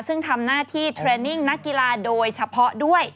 ซึ่งทำหน้าที่เทรนนิ่งนักกีฬาโดยเฉพาะด้วย